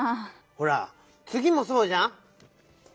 ほらつぎもそうじゃん。